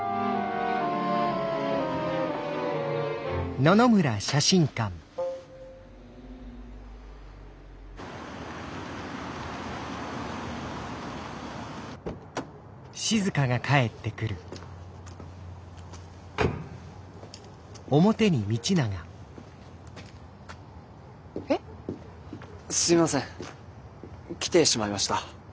来てしまいました。